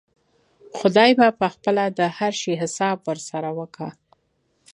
خداى به پخپله د هر شي حساب ورسره وکا.